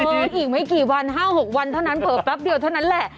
อีกไม่กี่วัน๕๖วันเท่านั้นเผลอแป๊บเดียวเท่านั้นแหละ